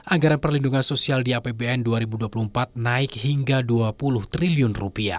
anggaran perlindungan sosial ini akan mencapai rp tiga ratus dua puluh triliun